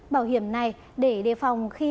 bảo hiểm này để đề phòng khi